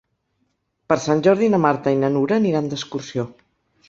Per Sant Jordi na Marta i na Nura aniran d'excursió.